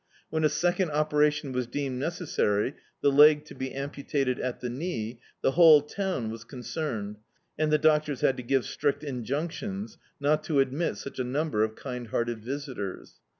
When a second operation was deemed necessary, the leg to be am putated at the knee, the whole town was concerned, and the doctors h^ to give strict injunctions not to admit such a number of kind hearted visitors.